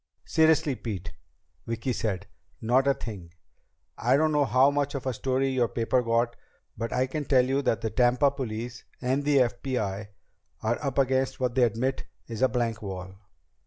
"Seriously, Pete," Vicki said, "not a thing. I don't know how much of a story your paper got, but I can tell you that the Tampa police and the FBI are up against what they admit is a blank wall."